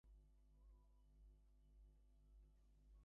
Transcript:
অপরদিকে নানা উদ্যোগের পরও প্রবাসী আয়ে গতি বাড়ছে না।